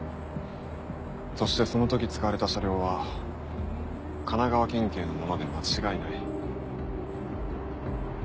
そしてその時使われた車両は神奈川県警のもので間違いない。